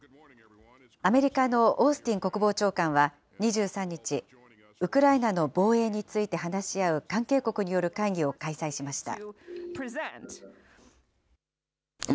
アメリカのオースティン国防長官は２３日、ウクライナの防衛について話し合う関係国による会議を開催しました。